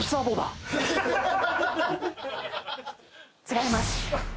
違います。